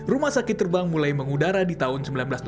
rumah sakit terbang mulai mengudahkan perusahaan terbang terbang tersebut